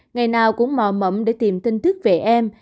ngày nào cũng mò mẫm để tìm tin thức về em